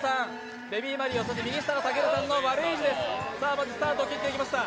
まずスタートを切っていきました。